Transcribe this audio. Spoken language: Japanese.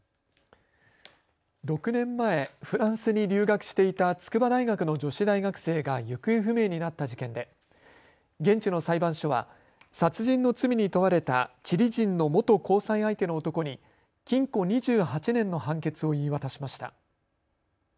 ６年前、フランスに留学していた筑波大学の女子大学生が行方不明になった事件で現地の裁判所は殺人の罪に問われたチリ人の元交際相手の男に禁錮２８年の判決を言い渡しました。